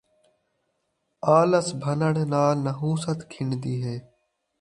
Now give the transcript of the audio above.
آلس بھنݨ نال نحوست کھنڈدی ہے